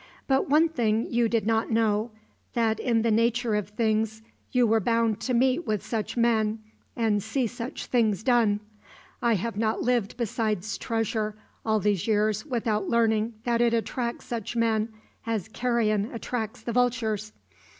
But one thing you did not know that in the nature of things you were bound to meet with such men and see such things done. I have not lived beside treasure all these years without learning that it attracts such men as carrion attracts the vultures.